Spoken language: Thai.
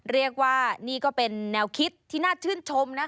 เรียกว่านี่ก็เป็นแนวคิดที่น่าชื่นชมนะคะ